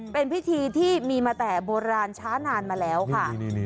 เป็นพิธีที่มีมาแต่โบราณช้านานมาแล้วค่ะ